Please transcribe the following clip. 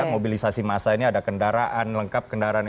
mobilisasi massa ini ada kendaraan